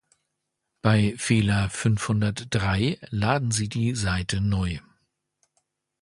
Bei Fehler fünfhundertdrei laden sie die Seite neu.